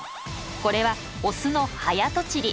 これはオスの早とちり。